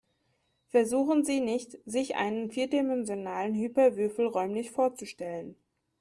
Versuchen Sie nicht, sich einen vierdimensionalen Hyperwürfel räumlich vorzustellen.